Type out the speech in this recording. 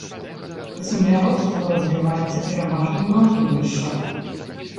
Земляробства развіваецца пераважна на ўзвышшах.